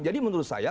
jadi menurut saya